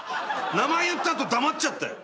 名前言った後黙っちゃったよ」